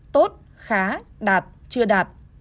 tốt khá đạt chưa đạt